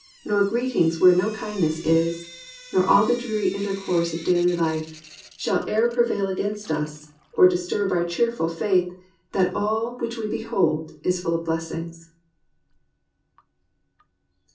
Nor greetings where no kindness is, nor all The dreary intercourse of daily life, Shall e'er prevail against us, or disturb Our cheerful faith that all which we behold Is full of blessings."